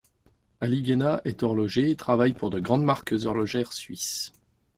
Ali Guenat est horloger et travaille pour de grandes marques horlogères suisse.